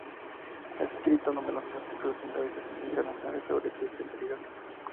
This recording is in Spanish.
Ha escrito numerosos artículos en revistas internacionales sobre su especialidad.